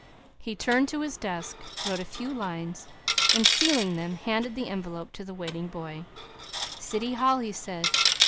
He turned to his desk, wrote a few lines, and sealing them, handed the envelope to the waiting boy. "City Hall," he said.